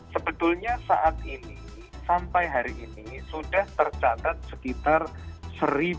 sebetulnya saat ini sampai hari ini sudah tercatat sekitar seribu lima puluh bse